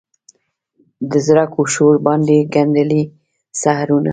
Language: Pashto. د زرکو شور باندې ګندلې سحرونه